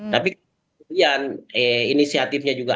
tapi kemudian inisiatifnya juga